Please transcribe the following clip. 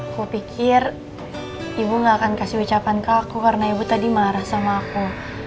aku pikir ibu gak akan kasih ucapan ke aku karena ibu tadi marah sama aku